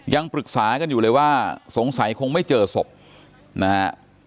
ยังปรึกษากันอยู่เลยว่าสงสัยคงไม่เจอศพนะฮะ